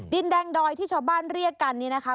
ดินแดงดอยที่ชาวบ้านเรียกกันนี่นะคะ